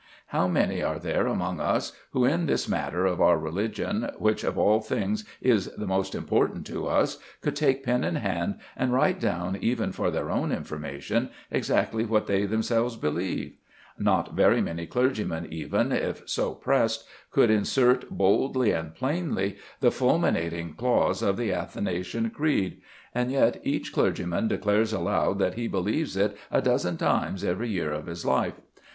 How many are there among us who, in this matter of our religion, which of all things is the most important to us, could take pen in hand and write down even for their own information exactly what they themselves believe? Not very many clergymen even, if so pressed, would insert boldly and plainly the fulminating clause of the Athanasian Creed; and yet each clergyman declares aloud that he believes it a dozen times every year of his life.